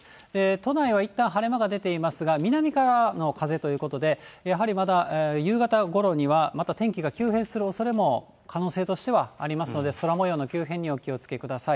都内はいったん晴れ間が出ていますが、南からの風ということで、やはりまだ夕方ごろには、また天気が急変するおそれがありますので、空もようの急変にお気をつけください。